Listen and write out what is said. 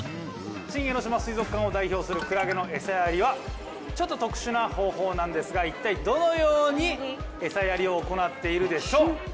新江ノ島水族館を代表するクラゲのエサやりはちょっと特殊な方法なんですが一体どのようにエサやりを行っているでしょう？